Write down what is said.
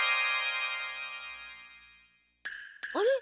あれ？